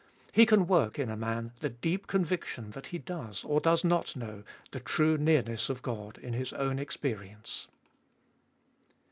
He can work in a man the deep conviction that he does, or does not know, the true nearness of God in his own experience.